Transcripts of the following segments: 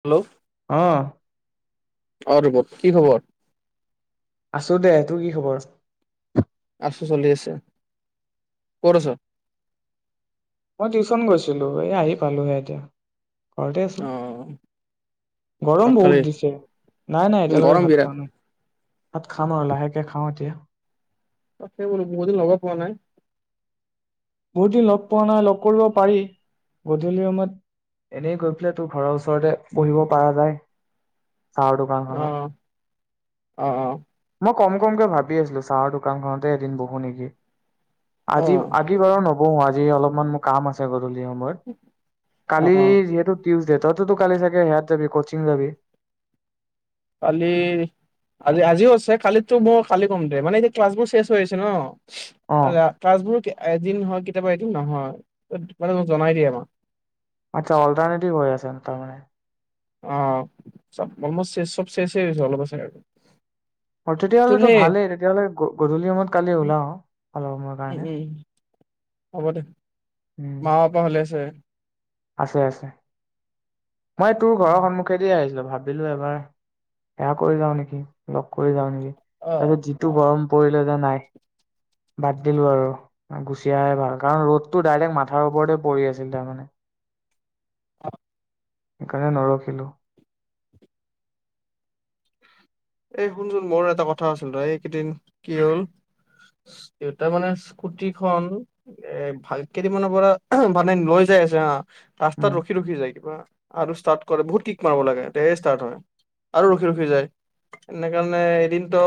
Hello আহ অ ৰূপক কি খবৰ আছো দে তোৰ কি খবৰ আছো চলি আছে ক'ত আছ মই টিউচন গৈছিলো এই আহি পালোহে এতিয়া ঘৰতে আছো অ ভাত গৰম খালি বহুত দিছে নাই নাই এতিয়ালৈকে গৰম ভাত বিৰাট পোৱা নাই ভাত খা খাম আৰু লাহেকে খাওঁ এতিয়া ত সেই বোলো বহুত দিন লগত পোৱা নাই বহুত দিন লগ পোৱা নাই লগ কৰিব পাৰি গধূলি সময়ত এনেই গৈ পেলাই তোৰ ঘৰৰ ওচৰতে বহিব পৰা যায় চাহৰ অ অ অ দোকানখনত মোক কম কমকে ভাবি আছিলো চাহৰ দোকানখনতে এদিন বহো নেকি আহ হ আজি অলপমান মোৰ কাম আছে যি সময় অ কালি অ যিহেতু টিউজ দে তইতো কালি চাগে হেয়াত যাবি কচিং যাবি কালি আজি আজিও আছে কালিতো মই কালি কম দে মানে এতিয়া ক্লাছবোৰ চেঞ্জ হৈ আছে ন অ অ ক্লাছবোৰ দিনত হয় কেতিয়াবা এদিন নহয় তো জনাই দিয়ে আমাৰ আচ্ছা অল্টাৰনেটিভ হৈ আছে তাৰমানে আহ চ অলমষ্ট চব চেচ হৈছে অলপ আছে আৰু অ তোৰ তেতিয়াহ'লেতো সেই ভালেই তেতিয়াহ'লে গধূলি সমত কালি ওলাও অলপ সময়ৰ উম কাৰণে উম হ'ব দে উম মা পাপা ভালে আছে আছে আছে মই তোৰ ঘৰৰ সন্মুখে দি আহিলো ভাবিলো এবাৰ সেৱা কৰি যাও নেকি লগ কৰি যাও নেকি অ তাৰ পিছত যিটো অ গৰম পৰিলে যে নাই বাদ দিলো আৰু গুচিয়াহে ভাল কাৰণ ৰ'দতটো ডাইৰেক্ট মাথাৰ ওপৰতে পৰি আছিল তাৰমানে অ সেইকাৰণে নৰখিলোঁ এ শুনচোন মোৰ এটা কথা আছিল ৰ এইকেইদিন কি হ'ল দেউতাৰ মানে স্কুটি খন এ ভাল কেইদিনমানৰ পৰা মানে লৈ যাই আছে হা ৰাস্তাত উম, ৰখি ৰখি যায় কিবা আৰু ষ্টাৰট কৰে বহুত কিক মাৰিব লাগে তেয়ে ষ্টাৰ্ট হয় আৰু ৰখি ৰখি যায় সেনে কাৰণে এদিনতো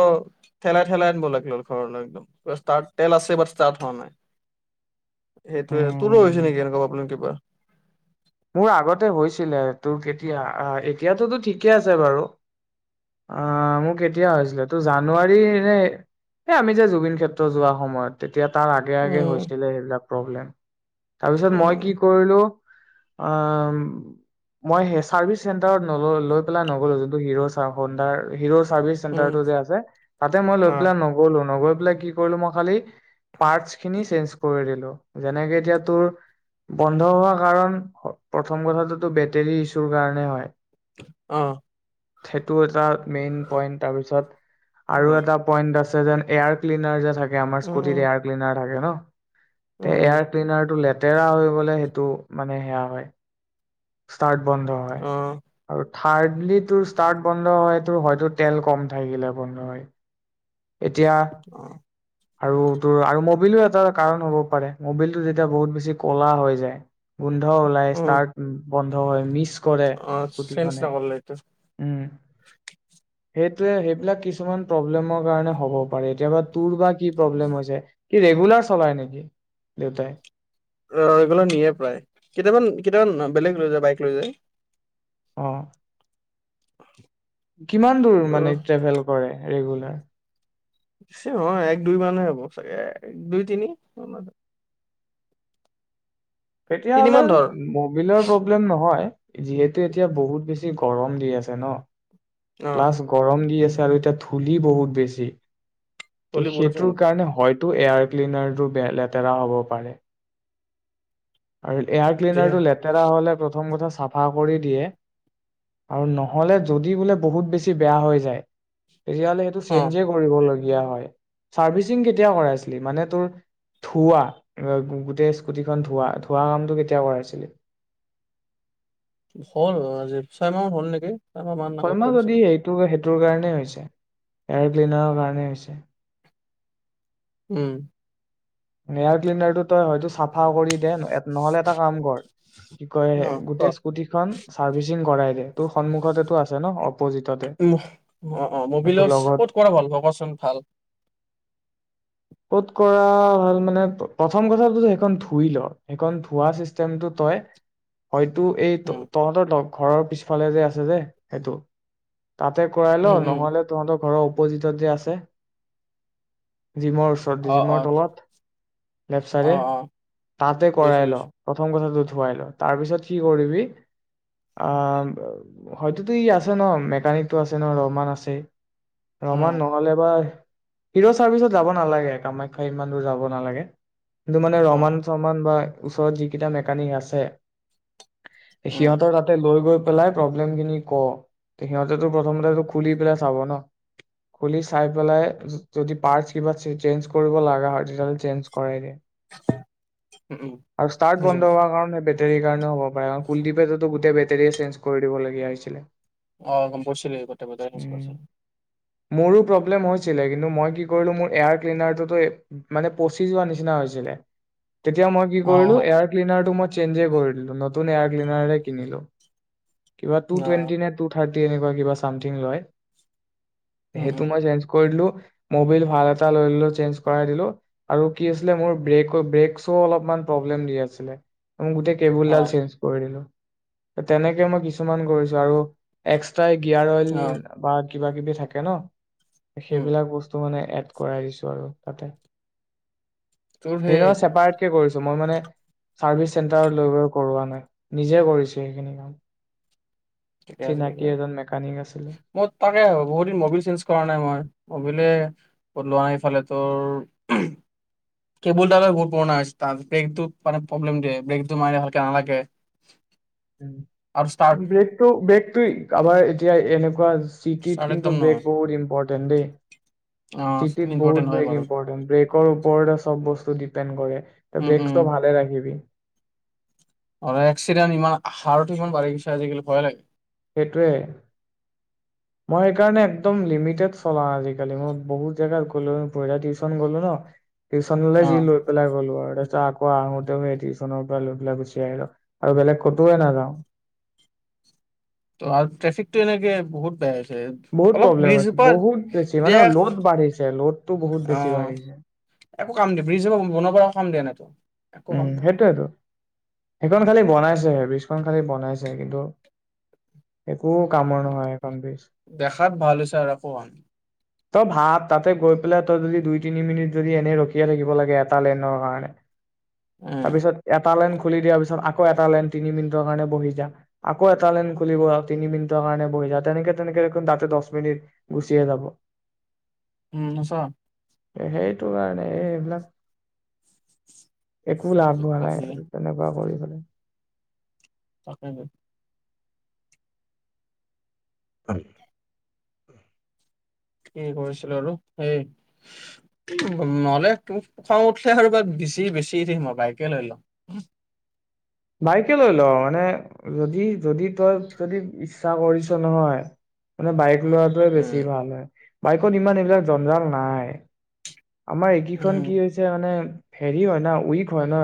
ঠেলাই ঠেলাই আনিব লাগিল ঘৰলৈ একদম ষ্টাৰট তেল আছে বাট ষ্টাৰ্ট হোৱা নাই সেইটোৱে তোৰো হৈছে উম, নেকি এনেকুৱা প্ৰব্লেম কিবা? মোৰ আগতে হৈছিলে তোৰ কেতিয়া এতিয়াতো ঠিকে আছে বাৰু অহ মোৰ কেতিয়া হৈছিলে তোৰ জানুৱাৰী এই আমি যে জুবিন ক্ষেত্ৰ যোৱা সময়তে এতিয়া তাৰ আগে আগে উম হৈছিলে সেইবিলাক প্ৰব্লেম তাৰ পিছত মই কি উম কৰিলো অহ মই হে চাৰ্ভিচ চেণ্টাৰত ন লৈ পেলাই নগ'লো যোনটো হিৰৰ হ তাতে চাৰ্ভিছ চেণ্টাৰ উম টো যে আছে তাতে মই লৈ অ পিনে নগলো বোলে কি কৰিলো মই খালি পাৰ্টচ খিনি চেঞ্জ কৰি দিলো। যেনেকে এতিয়া তোৰ বন্ধ হোৱা কাৰণ প্ৰথম কথাটোতো বেটেৰী ইছ্যুৰ কাৰণে হয়। অহ' সেইটো এটা মেইন পইন্ট তাৰপিছত অ আৰু এটা পইন্ট আছে যেন এয়াৰ ক্লিনাৰ যে থাকে আমাৰ উম স্কুটিত উম এয়াৰ ক্লিনাৰ থাকে ন। [unintelligible] তে উম এয়াৰ ক্লিনাৰ টো লে তেৰা হৈ গলে সেইটো মানে সেয়া হয়। ষ্টাৰ্ট বন্ধ হয় অ আৰু থাৰ্ডলি তোৰ ষ্টাৰ্ট বন্ধ হয় তোৰ হয়তো তেল কম থাকিলে বন্ধ হয়। এতিয়া অ আৰু তোৰ আৰু মবিলো এটা কাৰণ হ'ব পাৰে, মবিলটো যেতিয়া বহুত বেছি কলা হৈ যায় গোন্ধ ওলাই উম ষ্টাৰ্ট বন্ধ হয় মিছ কৰে অ চেঞ্জ স্কুটিখনে। নকৰিলে এইটো উম। সে টোৱে সেইবিলাক কিছুমান প্ৰব্লেমৰ কাৰণে হ'ব পাৰে। এতিয়া বা তোৰ বা কি প্ৰব্লেম হৈছে? কি ৰেগুলাৰ চলাই নেকি দেউতাই? অহ ৰেগুলাৰ নিয়ে প্ৰায় কেইটামান কেইটামান বেলেগ লৈ যায় বাইক লৈ যায়। অহ [unintelligible] কিমান দূৰ ত মানে ট্ৰেভেল কৰে? ৰেগুলাৰ [unintelligible] এক দুই মানহে হ'ব চাগে এ দুই তিনি [unintelligible] তেতিয়াহলে তিনিমান ধৰ মবিলৰ প্ৰব্লেম নহয়। যিহেতু এতিয়া বহুত বেছি গৰম দি আছে ন অ প্লাছ গৰম দি আছে আৰু এতিয়া ধূলি বহুত বেছি। চলি বহুত আছে সেইটোৰ মানুহটো কাৰণে হয় তোৰ এয়াৰ ক্লিনাৰটো বে - লেতেৰা হ'ব পাৰে। আৰু এয়াৰ যিহে ক্লিনাৰটো লেতেৰা হলে প্ৰথম কথা চাফা কৰি দিয়ে আৰু নহ'লে যদি বোলে বহুত বেছি বেয়া হৈ যায় তেতিয়াহ'লে সেইতো অ চেঞ্জে কৰিব লাগে। [unintelligible] হয় চাৰ্ভিচিং কেতিয়া কৰাইছিলি? মানে তোৰ ধুৱা [unintelligible] গোটেই স্কুটিখন ধুৱা। ধুৱা কামটো কেতিয়া কৰাইছিলি? হল আজি ছয় মাহ মান হল নেকি। ছয়মাহ মান আগত হয়মা কৰিছিলো যদি সেইটো তোৰ কাৰণেই আহিছো এয়াৰ ক্লিনাৰৰ কাৰণে আহিছো উম নয়াৰ্লি নডাইডটো ত হয় চাফাও কৰি নহলে এটা কাম কৰ ন গো্ু ক চাৰ্চি কৰাই তোৰ সন্মুখতেতো আছে ন অপজিততে অ অ মবিল তোৰ লগত ক'ত কৰা ভাল ভ কোৱাচোন ভাল ক'ত কৰা হল মানে প্ৰথম কথাটোত সেইখন ধুই ল সেইখন ধোৱাা চিষ্টেমটো তই হয়তো এই উম তহঁতৰ লগ ঘৰৰ পিছফালে যে আছে যে সেইটো তাতে কৰাই ল উম উম নহলে তহঁতৰ ঘৰৰ [unintelligible] [unintelligible] অ ধুৱাই অ ল অ অ বুজিছো বুজিছো তাৰ পিছত কি কৰিবি অ হয়ততো ই আছে ন মেকানিকটো আছে ন ৰহমান আছে উম ৰমমান নহলে বা হিৰ' চাৰ্ভিচত যাব নালাগে কামাখ্যা ইমান দূৰ যাব নালাগে কিন্তটো মানে উম ৰমান চমান বা ওচৰত যিকেইটা মেকানিক আছে উম সিহঁতৰ তাতে লৈ গৈ খুলি কেনে প্ৰব্লেম টো ক কৰিব লগা হয় তোল চেঞ্জ কৰাই দে উম উম আৰু ষ্টাৰ্ট বুজিছো বন্ধ বুজিছো হোৱাৰ কাৰণে বেটাৰ কাৰণও হ'ব পাৰে কাৰণ কুলদ্বীপততো গোটেই বেটাৰীয়ে চেঞ্জ দিবলগীয়া হৈছিলে অ গম পাইছিলি গটে বজাই উম থৈছে মোৰো প্ৰব্লেম হৈছিলে কিন্তু মই কি কৰিলো মোৰ এয়াৰ ক্লিনাৰটোত মানে পচি যোৱাৰ নিচিনা হৈছিলে তেতিয়া মই কি অ অ কৰিলো এয়াৰ ক্লিনাৰ টো মই চেঞ্জে কৰি দিলো নতুন এয়াৰ ক্লিনাৰ কিনিলো কিবা টু অ টুৱেন্টি নে টু থাৰ্টি তে এনেকোৱা কিবা চামথিং লয় উম সেইটো উম মই চেঞ্জ কৰি দিলো মোবাইল ভাল এটা লৈ ললো চেঞ্জ কৰাই দিলো আৰু কি আছিলে মোৰ ব্ৰেক ব্ৰেক শ্ব অলপমান প্ৰব্লেম দি আছিলে মই গোটেই কেবুল অ ডাল চেঞ্জ কৰি দিলো তেনেকে মই কিছুমান কৰিছো আৰু এক্স তাই গিয়াৰ অইল অ বা কিবা কিবি থাকে ন। উম সেইবিলাক বস্তু মানে এড কৰাই দিছো আৰু। তাতে সেই নহয় ছেপাৰেটকে কৰিছো মই মানে চাৰ্ভিচ চেণ্টাৰ লৈ গৈ কৰোৱা নাই। নিজে কৰিছে সেইখিনি ঠিকে আছে, চিনাকি এজন মেকানিক আছিলে মই তাকে বহুত দিন মবিল চেঞ্জ কৰা নাই মই মবিলে লোৱা নাই এইফালে তোৰ কেবল ডালে বহুত পুৰণা হৈছে তাৰ ব্ৰেকটো মানে প্ৰব্লেম দিয়ে ব্ৰেকটো মাৰে ভালকে নালাগে। আৰু ষ্টাৰ্ট উ ব্লেক তো ব্ৰেগতো আমাৰ এতিয়া এনেকোৱা হৈছে চিটিত ষ্টাৰ্ট কিন্তু একদম ব্ৰেক নহয় বহুত ইম্পৰ্টেণ্ট তেন্তে অ চিটিত ইম্পৰ্টেণ্ট বহুত হয় ব্ৰেক বাৰু ইম্পৰ্টেণ্ট ব্ৰেক মুঠৰ ওপৰতে চব বস্তু ডিপেণ্ড কৰে তই উম উম ব্ৰেকতো ভালে ৰাখিবি। অ এক্সিডেণ্ট ইমান হাৰতো ইমান বাঢ়ি গৈছে আজিকালি ভয় লাগে। সেইটোৱে মই সেইকাৰণে একদম লিমিটেড চলাওঁ আজিকালি মই বহুত জেগাত গলো টিউশচন গলো ন টিউশ্যনলে অ যি লৈ পেলাই গ'লো আৰু ত আকৌ আহোতেও সেই টিউশনৰ পৰা লৈ পেলাই গুচি আহিলো আৰু বেলেগ কতোৱে নাযাওঁ। ত আৰু ট্ৰেফিকটো এনেকে বহুত বেয়া বহুত অলপ প্ৰব্লেম আছে ব্ৰিজজোপা বহুত বেছি মানে দিয়া লোড বাঢ়িছে লোডটো বহুত অ বেছি বাঢ়িছে। একো কাম দিয়ে ব্ৰিজৰ পা বনা পৰা কাম দিয়া নাই একো উম, কাম দিয়া সেইটোৱে তো সেইখন খালি বনাইছেহে ব্ৰিজখন খালি বনাইছেহে কিন্তু একো কামৰ নহয় সেইখন ব্ৰিজ দেখাত ভাল হৈছে আৰু অকণমান তই ভাব তাতে গৈ পেলাই তই যদি দুই তিনি মিনিট যদি এনেই ৰখিয়ে থাকিব লাগে এটা লেন কাৰণে। উম, তাৰপিছত এটা লাইন খুলি দিয়াৰ পিছত আকৌ এটা লাইন তিনি মিনিটৰ কাৰণে বহি যা, আকৌ এটা লাইন খুলিব তিনি মিনিটৰ কাৰণে বহি যা, তেনেকে তেনেকে দেখোন তাতে দহ মিনিট গুচিয়ে যাব। উম, সঁচা। সেইটো কাৰণে এই এইবিলাক একো লাভ কি হোৱা কবি নাই তেনেকুৱা কৰি। হয়। তাকেইটো। হ, কি কৰিছিলো আৰু হেই নহলে ত খং উঠিলে আৰু বা বেচি বেচি উঠি মই বাইকে লৈ লওঁ বাইকে লৈ ল মানে যদি যদি তই যদি ইচ্ছা কৰিছ নহয় মানে বাইক লোৱােটোৱে বেছি উম, ভাল হয় বাইকত ইমান এইবিলাক জঞ্জাল নাই আমাৰ এইকেইখন উম, কি হৈছে মানে হেৰি হয় ন উইক হয় ন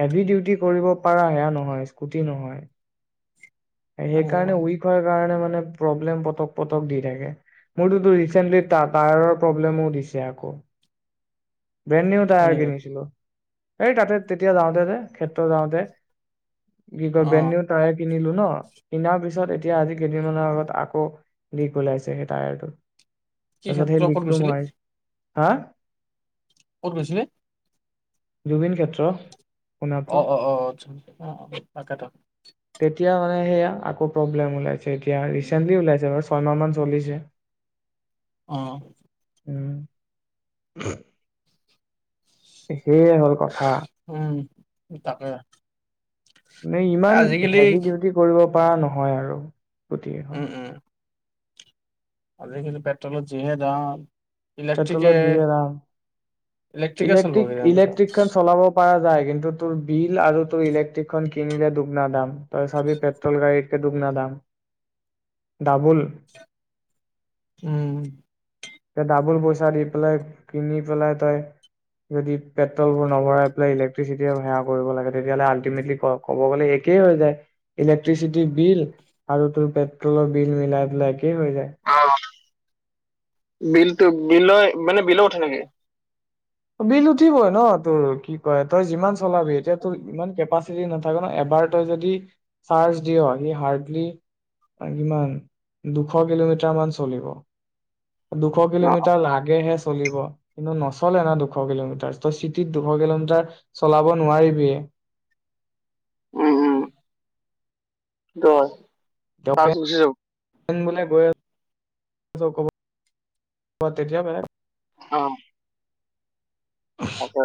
হেভি ডিউটি কৰিব পাৰা সেয়া নহয় স্কুটি নহয় সেইকাৰণে অ', উইক হোৱাৰ কাৰণে মানে প্ৰব্লেম পতক পতক দি থাকে মোৰতো ৰিচেন্টলি টাটা ৰো প্ৰব্লেম দিছে আকৌ ব্ৰেণ্ড নিও হয় টায়াৰ নেকি? কিনিছিলো এই তাতে তেতিয়া যাওঁতে যে ক্ষেত্ৰ যাওঁতে কি কয় অ', বেননিউ টাইয়াৰ কিনিলো ন কিনা পিছত এতিয়া আজি কেইদিনমানৰ আগত আকৌ দিগ ওলাইছে সেই টায়াৰটো কি যদি হে ক্ষেত্ৰ ক'ত লিখাটো গৈছিলি? মই হা ক'ত গৈছিলি জুবিন ক্ষেত্ৰ অ সোণাপুৰ অ আটছা তাকে তো তেতিয়া হয় সেয়া আকৌ প্ৰব্লেম ওলাই এতিয়া ৰিচেনলি ওলাইছে বাৰু প্ৰণমান চলিছে আহ উম সেয়ে হ'ল কথা উম, তাকে নে এ ইমান আজিকালি হেভি ডিউটি কৰিব বা নহয় আৰু গোটেই কেইখন আৰু আজি কালি পেট্ৰলৰ যিহে দাম ইলেক্ট্ৰিকে প্ৰেটলৰ যি হে দাম ইলেক্ট্ৰিকে চলিব ইলেক্ট্ৰিক কেইদিনমান পিছত ইলেক্ট্ৰিক খন চলাব পাৰা কিন্তু তোৰ বিল আৰু তোৰ ইলেক্ট্ৰিক খন কিনিলে দুগনা দাম তই চাবি পেট্ৰল গাড়ীত সে দুগ না দাম দাবুল উম ত ডাবুল পইচা দি পেলাই কিনি পেলাই তই যদি পেট্ৰল বোৰ নভৰাই পেলাই ইলেক্ট্ৰিচিটি সেৱা কৰিব লাগে তেতিয়াহলে আল্টিমেটলি ক'ব গ'লে একেই হৈ যায় ইলেক্ট্ৰিচিটিৰ বিল আৰু তোৰ পেট্ৰলৰ বিল মিলাই একে কি হৈ যায় অ', বিলটো বিলয় মানে বিল উঠে নেকি বিল উঠিবই ন তোৰ কি কয় তই যিমান চলাবি এতিয়া তোৰ ইমান কেপাচিটি নাথাকে ন এবাৰ তই যদি চাৰ্জ দিয় সি হাৰ্ডলি কিমান দুশ কিলোমিটাৰ মান চলিব দুশ অ', কিলোমিটাৰ লাগেহে চলিব কিন্তু নচলে ন দুশ কিলোমিটাৰ তই চিটিত দুশ কিলোমিটাৰ চলাব নোৱাৰিবি উম উম দছ চাৰ খুচি যাব আমি বোলে গৈ আছো তেতিয়া বেলেগ কথা অ আছা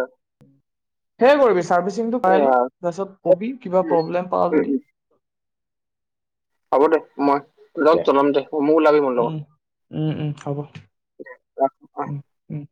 সেইবোৰে বেছি চাৰবিচিং তো কৰাই ল তাৰ পিচত কবি কিবা উম পবলেম হলে উম হ'ব দে মই লগ জনাম দে মোক ওলাবি মোৰ লগত উম উম উম হ'ব ৰাখো অ উম উম